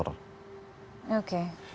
artinya masih ada tersisa yang belum longsor